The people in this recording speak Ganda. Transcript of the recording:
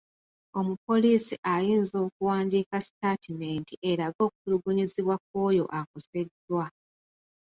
Omupoliisi ayinza okuwandiika sitatimenti eraga okutulugunyizibwa kw'oyo akoseddwa.